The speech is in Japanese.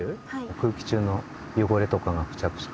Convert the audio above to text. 空気中のよごれとかが付着して。